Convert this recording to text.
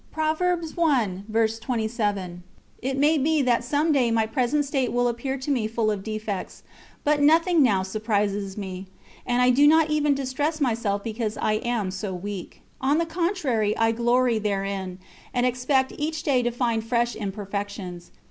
" It may be that some day my present state will appear to me full of defects, but nothing now surprises me, and I do not even distress myself because I am so weak. On the contrary I glory therein, and expect each day to find fresh imperfections.